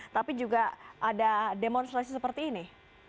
tapi juga ada demonstrasi seperti ini